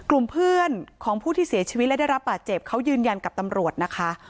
กลุ่มเพื่อนของผู้ที่เสียชีวิตและได้รับบาดเจ็บเขายืนยันกับตำรวจนะคะ